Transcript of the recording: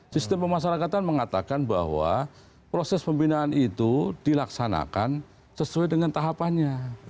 sistem pemasarakatan mengatakan bahwa proses pembinaan itu dilaksanakan sesuai dengan tahapannya